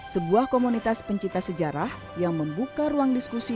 sebuah komunitas pencipta sejarah yang membuka ruang diskusi